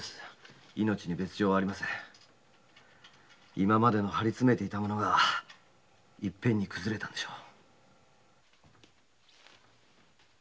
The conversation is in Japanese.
今までの張りつめていたものがいっぺんにくずれたんでしょう。